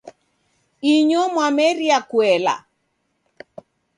Inyo mwameria kuela